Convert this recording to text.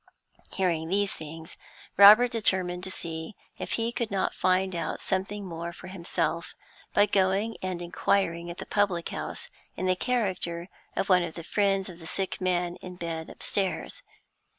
Hearing these things, Robert determined to see if he could not find out something more for himself by going and inquiring at the public house, in the character of one of the friends of the sick man in bed upstairs.